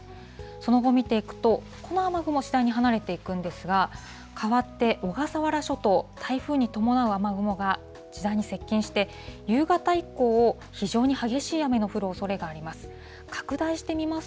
その後見ていくと、この雨雲、次第に離れていくんですが、変わって小笠原諸島、台風に伴う雨雲が次第に接近して、夕方以降、非常に激しい雨の降るおそれがあります。